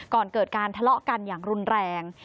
ก่อนเกิดการทะเลาะกันอย่างรุนแรง